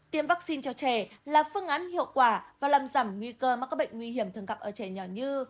tiêm vaccine cho trẻ là phương án hiệu quả và làm giảm nguy cơ mắc các bệnh nguy hiểm thường gặp ở trẻ nhỏ như